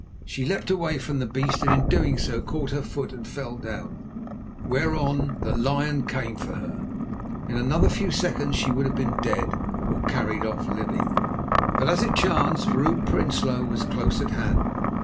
She leapt away from the beast, and in so doing caught her foot and fell down, whereon the lion came for her. In another few seconds she would have been dead, or carried off living. But as it chanced, Vrouw Prinsloo was close at hand.